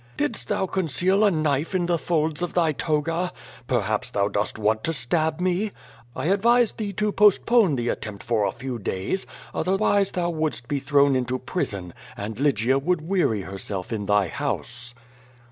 Didst thou conceal a knife in the folds of thy toga? Perhaps thou dost want to stab me? I advise thee to postpone the attempt for a few days, otherwise thou wouldst be thrown into prison, and Lygia would weary herself in thy house."